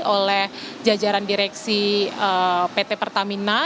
oleh jajaran direksi pt pertamina